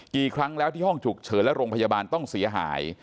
กี่ครั้งแล้วที่ห้องฉุกเฉินและโรงพยาบาลต้องเสียหาย